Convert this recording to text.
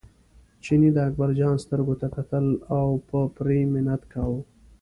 چیني د اکبرجان سترګو ته کتل او په پرې منت کاوه.